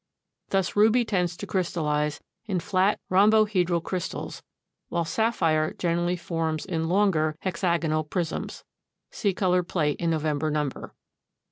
Thus ruby tends to crystallize in flat rhombohedral crystals, while sapphire generally forms in longer, hexagonal prisms. (See colored plate in November number.)